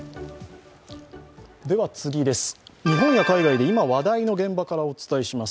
日本や海外で今話題の現場からお伝えします